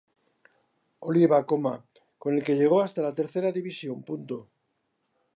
Oliva, con el que llegó hasta la tercera división.